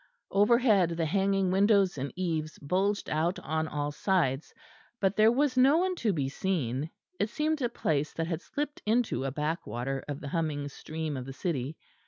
Overhead the hanging windows and eaves bulged out on all sides; but there was no one to be seen; it seemed a place that had slipped into a backwater of the humming stream of the city.